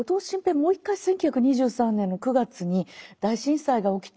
もう１回１９２３年の９月に大震災が起きた